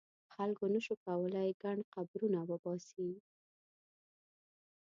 خلکو نه شو کولای ګڼ قبرونه وباسي.